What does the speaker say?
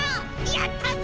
やったぞ！